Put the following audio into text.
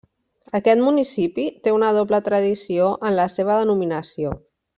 Aquest municipi té una doble tradició en la seva denominació.